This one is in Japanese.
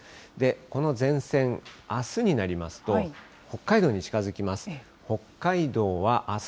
この前線、あすになりますと、北海道に近づきます。